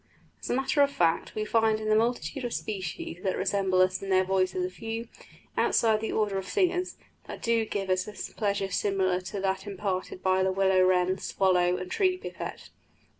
As a matter of fact, we find in the multitude of species that resemble us in their voices a few, outside of the order of singers, that do give us a pleasure similar to that imparted by the willow wren, swallow, and tree pipit.